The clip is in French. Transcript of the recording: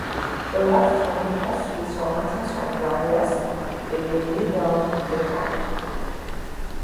Olaf tourne ensuite son attention vers l'ouest et les Midlands d'Irlande.